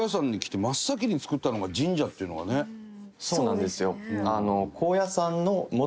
そうなんですよ。